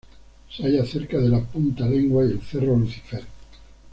Se halla cerca de la punta Lengua y el cerro Lucifer.